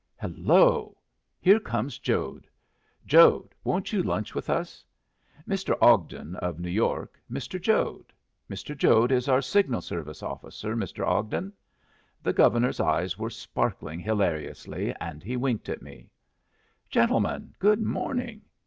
Hello! here comes Jode. Jode, won't you lunch with us? Mr. Ogden, of New York, Mr. Jode. Mr. Jode is our signal service officer, Mr. Ogden." The Governor's eyes were sparkling hilariously, and he winked at me. "Gentlemen, good morning.